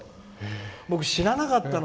僕知らなかったの。